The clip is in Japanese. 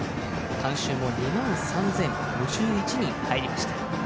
２万３０５１人、入りました。